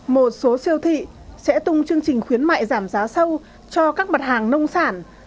một số siêu thị sẽ tung chương trình khuyến mại giảm giá sâu cho các mặt hàng nông sản